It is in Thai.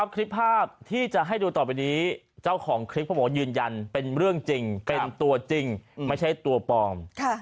คลิปภาพที่จะให้ดูต่อไปนี้เจ้าของคลิปเขาบอกว่ายืนยันเป็นเรื่องจริงเป็นตัวจริงไม่ใช่ตัวปลอม